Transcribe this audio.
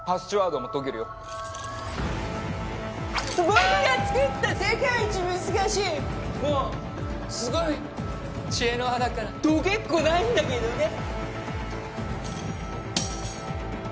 僕が作った世界一難しいもうすごい知恵の輪だから解けっこないんだけどね！